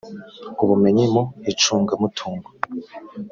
ubumenyi mu icunga mutungo